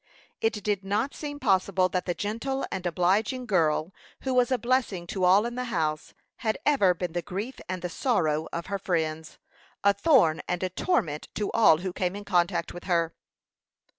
It did not seem possible that the gentle and obliging girl, who was a blessing to all in the house, had ever been the grief and the sorrow of her friends, a thorn and a torment to all who came in contact with her.